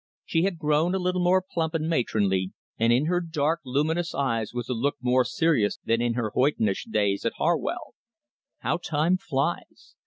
She had grown a little more plump and matronly, and in her dark, luminous eyes was a look more serious than in her old hoydenish days at Harwell. How time flies!